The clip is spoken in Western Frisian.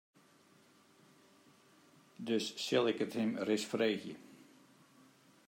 Dus sil ik it him ris freegje.